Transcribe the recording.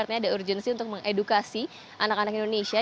artinya ada urgensi untuk mengedukasi anak anak indonesia